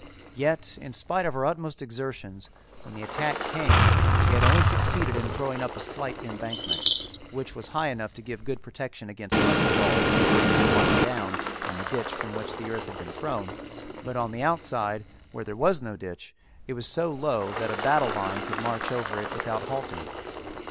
Yet in spite of our utmost exertions when the attack came we had only succeeded in throwing up a slight embankment, which was high enough to give good protection against musket balls to the man squatting down in the ditch from which the earth had been thrown; but on the outside, where there was no ditch, it was so low that a battle line could march over it without halting.